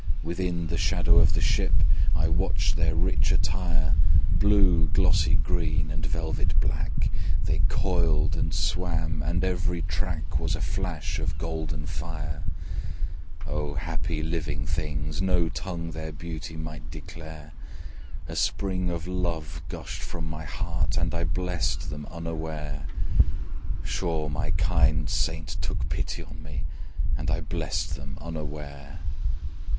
Within the shadow of the ship I watched their rich attire: Blue, glossy green, and velvet black, They coiled and swam; and every track Was a flash of golden fire. Their beauth and their happiness. He blesseth them in his heart. O happy living things! no tongue Their beauty might declare: A spring of love gushed from my heart, And I blessed them unaware: Sure my kind saint took pity on me, And I blessed them unaware.